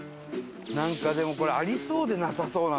なんかでもこれありそうでなさそうなんだよな。